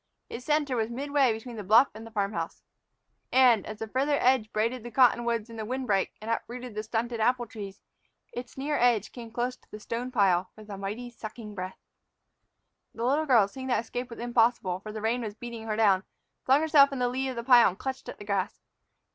Its center was midway between the bluff and the farm house. And, as its farther edge braided the cottonwoods in the wind break and uprooted the stunted apple trees, its near edge came close to the stone pile with a mighty sucking breath. The little girl, seeing that escape was impossible, for the rain was beating her down, flung herself in the lee of the pile and clutched at the grass.